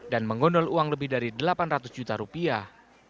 dan mengondol uang lebih dari delapan ratus juta rupiah